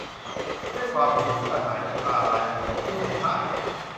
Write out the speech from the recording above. ด้วยความหิวกระหายจนตาลาย อารมณ์พลุ่งพล่าน